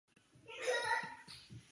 黄豆树是豆科合欢属的植物。